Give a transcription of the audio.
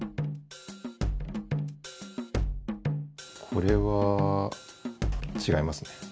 これはちがいますね。